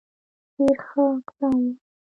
ډېر ښه اقدام وو.